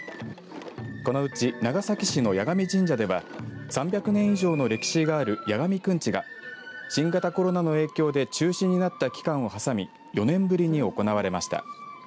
このうち長崎市の矢上神社では３００年以上の歴史がある矢上くんちが新型コロナの影響で中止になった期間をはさみ４年ぶりに行われました。